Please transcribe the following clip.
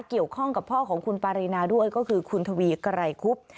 เกี่ยวข้องกับพ่อของคุณปารีนาด้วยก็คือคุณทวีไกรคุบ